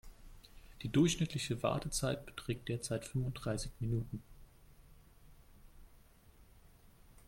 Die durchschnittliche Wartezeit beträgt derzeit fünfunddreißig Minuten.